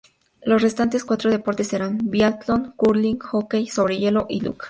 Los restantes cuatro deportes serán: biatlón, curling, hockey sobre hielo y luge.